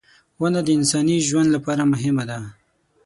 • ونه د انساني ژوند لپاره مهمه ده.